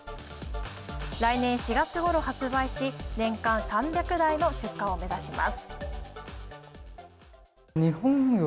来年４月ごろ発売し、年間３００台の出荷を目指します。